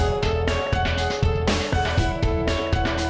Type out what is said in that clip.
aduh ini si